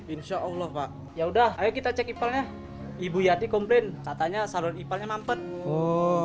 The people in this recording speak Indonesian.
insyaallah pak ya udah kita cek ipalnya ibu yati komplain katanya salon iparnya mampet oh